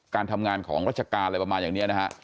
การทำงานของราชการอะไรประมาณอย่างนี้นะฮะ